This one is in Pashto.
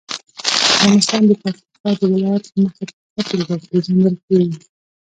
افغانستان د پکتیکا د ولایت له مخې په ښه توګه پېژندل کېږي.